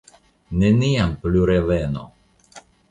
Neniam plu revenu!